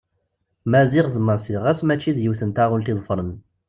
Maziɣ d Massi ɣas mačči d yiwet n taɣult i ḍeffren.